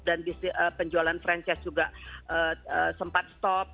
penjualan franchise juga sempat stop